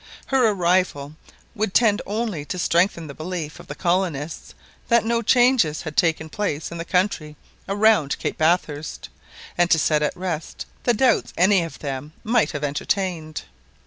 Her arrival would tend only to strengthen the belief of the colonists that no changes had taken place in the country around Cape Bathurst, and to set at rest the doubts any of them might have entertained.